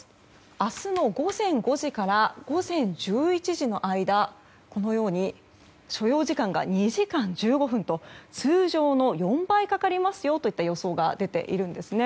明日の午前５時から午前１１時の間所要時間が２時間１５分と通常の４倍かかりますよといった予想が出ているんですね。